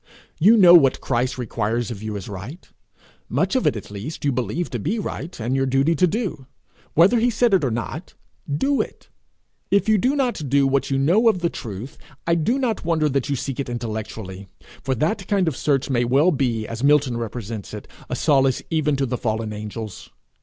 You know what Christ requires of you is right much of it at least you believe to be right, and your duty to do, whether he said it or not: do it. If you do not do what you know of the truth, I do not wonder that you seek it intellectually, for that kind of search may well be, as Milton represents it, a solace even to the fallen angels.